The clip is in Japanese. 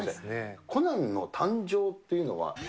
コナンの誕生っていうのは。